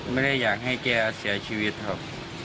ไม่ได้อยากให้แกเสียชีวิตครับ